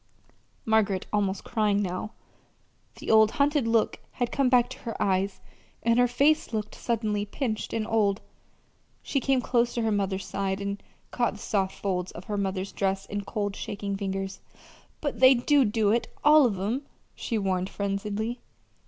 Margaret was almost crying now. The old hunted look had come back to her eyes, and her face looked suddenly pinched and old. She came close to her mother's side and caught the soft folds of her mother's dress in cold, shaking fingers. "But they do do it all of 'em," she warned frenziedly.